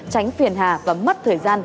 tránh phiền hà và mất thời gian